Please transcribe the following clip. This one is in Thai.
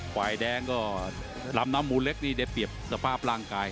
ฝ่ายแดงก็ลำน้ำมูลเล็กนี่ได้เปรียบสภาพร่างกาย